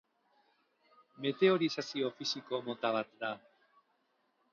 Meteorizazio fisiko mota bat da.